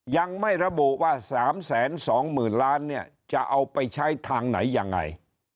ยังไม่ระบบว่าสามแสนสองหมื่นล้านเนี้ยจะเอาไปใช้ทางไหนยังไง